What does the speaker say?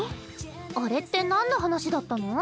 あれってなんの話だったの？